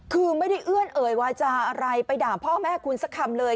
คือไม่ได้เอื้อนเอ่ยวาจาอะไรไปด่าพ่อแม่คุณสักคำเลย